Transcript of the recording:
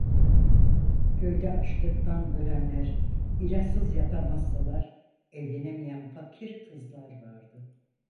Köyde açlıktan ölenler, ilaçsız yatan hastalar, evlenemeyen fakir kızlar vardı.